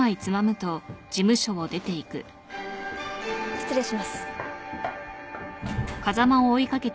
失礼します。